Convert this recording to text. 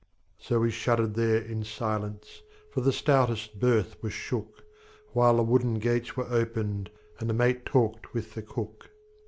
So we shuddered there in silence, For the stoutest berth was shook, While the wooden gates were opened And the mate talked with the cook.